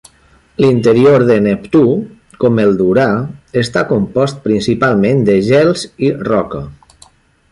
L'interior de Neptú, com el d'Urà, està compost principalment de gels i roca.